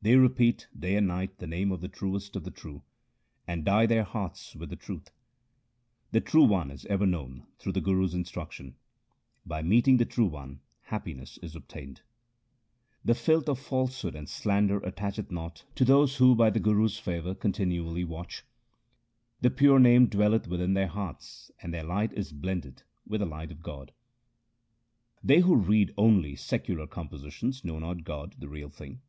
They repeat day and night the name of the Truest of the true, and dye their hearts with the truth. The True One is ever known through the Guru's instruc tion ; by meeting the True One happiness is obtained. The filth of falsehood and slander attacheth not HYMNS OF GURU AMAR DAS 181 To those who by the Guru's favour continually watch. The pure Name dwelleth within their hearts, and their light is blended with the light of God. They who read only secular compositions 1 know not God, the Real Thing.